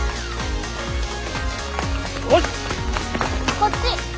こっち！